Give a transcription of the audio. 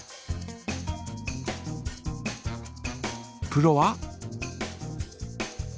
プロは？